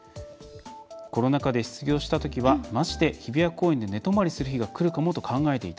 コロナ禍で失業したときはまじで、日比谷公園で寝泊まりする日がくるかもと考えていた。